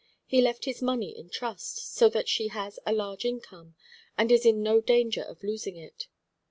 He left his money in trust, so that she has a large income, and is in no danger of losing it.